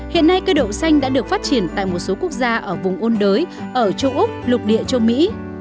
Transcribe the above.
hiện nay cây đậu xanh đã được phát triển tại một số quốc gia ở vùng ôn đới ở châu úc lục địa châu mỹ